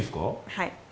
はい。